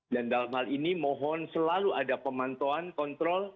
dan dalam hal ini mohon selalu ada pemantauan kontrol